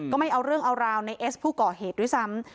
ไม่เอาเรื่องเอาราวในเอสผู้ก่อเหตุด้วยซ้ำ